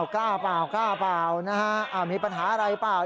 กล้าป่าวมีปัญหาอะไรป่าว